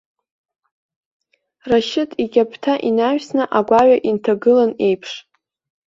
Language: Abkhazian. Рашьыҭ иқьаԥҭа инаҩсны агәаҩа инҭагылон еиԥш.